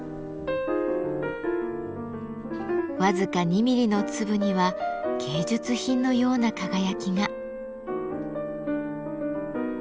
僅か２ミリの粒には芸術品のような輝きが。